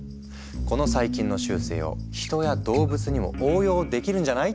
「この細菌の習性を人や動物にも応用できるんじゃない？」